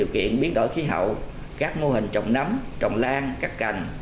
kiện biến đổi khí hậu các mô hình trồng nấm trồng lan cắt cành